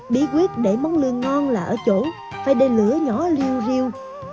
bí quyết để món lương ngon là ở chỗ phải để lửa nhỏ riêu riêu